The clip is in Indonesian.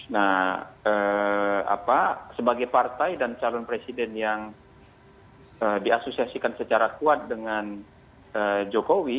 nah sebagai partai dan calon presiden yang diasosiasikan secara kuat dengan jokowi